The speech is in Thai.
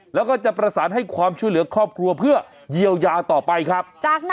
แล้วก็จะประสานให้ความช่วยเหลือครอบครัวเพื่อเยียวยาต่อไปครับ